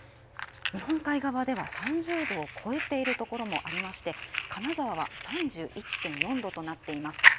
日本海側では３０度を超えている所もありまして、金沢は３１．４度となっています。